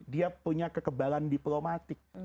dia punya kekebalan diplomatik